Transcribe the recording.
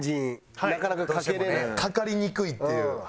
かかりにくいっていうはい。